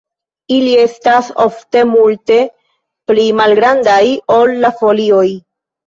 Ili estas ofte multe pli malgrandaj ol la folioj.